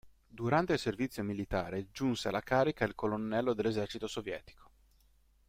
Durante il servizio militare giunse alla carica di colonnello dell'esercito sovietico.